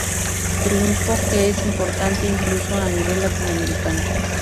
Triunfo que es importante incluso a nivel latinoamericano.